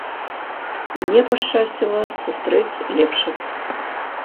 Мне пашчасціла сустрэць лепшых!